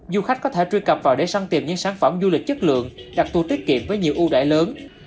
du khách có thể truy cập vào để săn tìm những sản phẩm du lịch chất lượng đặt tour tiết kiệm với nhiều ưu đại lớn